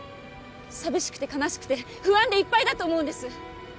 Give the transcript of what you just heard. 寂しくて悲しくて不安でいっぱいだと思うんです